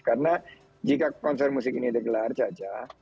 karena jika konser musik ini digelar saja